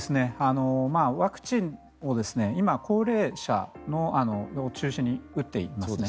ワクチンを今、高齢者を中心に打っていますね。